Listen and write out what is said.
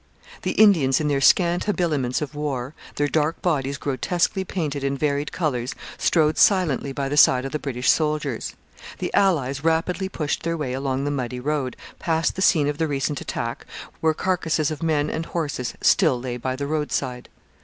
The Indians in their scant habiliments of war, their dark bodies grotesquely painted in varied colours, strode silently by the side of the British soldiers. The allies rapidly pushed their way along the muddy road, past the scene of the recent attack, where carcasses of men and horses still lay by the roadside.